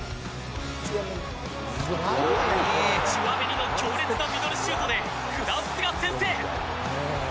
チュアメニの強烈なミドルシュートでフランスが先制。